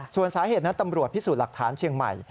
ส่วนสาเหตุนั้นตำรวจพิสูจน์หลักฐานเชียงใหม่